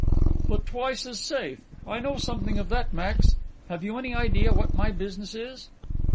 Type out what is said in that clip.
"But twice as safe. I know something of that, Max.... Have you any idea what my business is?"